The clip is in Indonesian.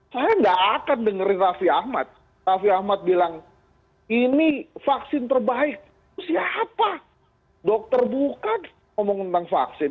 saya nggak akan dengerin raffi ahmad raffi ahmad bilang ini vaksin terbaik siapa dokter bukan ngomong tentang vaksin